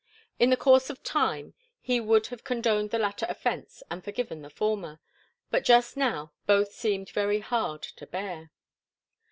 In the course of time he would have condoned the latter offence and forgiven the former, but just now both seemed very hard to bear.